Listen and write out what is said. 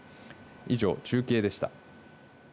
以上、中継でした。